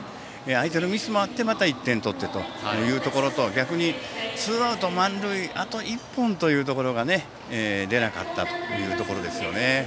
相手のミスもあってまた１点取ってというところとは逆に、ツーアウト満塁あと１本というところが出なかったというところですね。